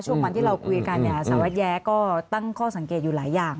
ช่วงวันที่เราคุยกันเนี่ยสารวัตรแย้ก็ตั้งข้อสังเกตอยู่หลายอย่าง